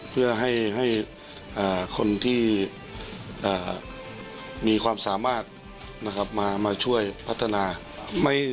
เพื่อให้คนที่มีความสามารถมาช่วยพัฒนา